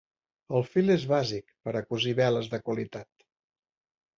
El fil és bàsic per a cosir veles de qualitat.